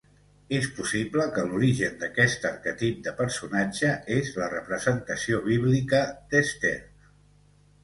És possible que l'origen d'aquest arquetip de personatge és la representació bíblica d'Esther.